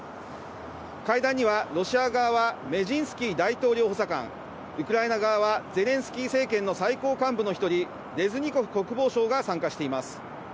会談には、ロシア側はメジンスキー大統領補佐官、ウクライナ側はゼレンスキー政権の最高幹部の一人、レズニコフ国防相が参加しています。